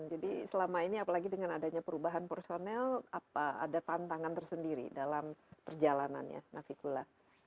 jadi selama ini apalagi dengan adanya perubahan personal apa ada tantangan tersendiri dalam perjalanannya navikula